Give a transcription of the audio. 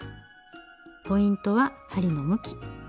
ポイントは針の向き。